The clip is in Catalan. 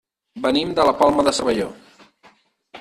Venim de la Palma de Cervelló.